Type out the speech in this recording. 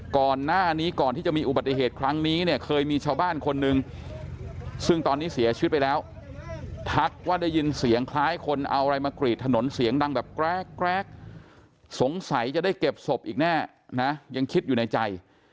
ก่อนหน้านี้ก่อนที่จะมีอุบัติเหตุครั้งนี้เนี่ยเคยมีชาวบ้านคนหนึ่งซึ่งตอนนี้เสียชีวิตไปแล้วทักว่าได้ยินเสียงคล้ายคนเอาอะไรมากรีดถนนเสียงดังแบบแกรกสงสัยจะได้เก็บศพอีกแน่นะยังคิดอยู่ในใจ